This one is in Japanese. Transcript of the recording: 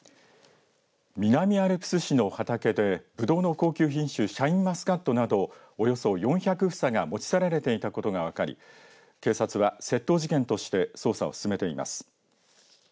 南アルプス市の畑でぶどうの高級品種シャインマスカットなどおよそ４００房が持ち去られていたことが分かり警察は窃盗事件として捜査を進めています。